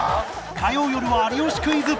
火曜よるは『有吉クイズ』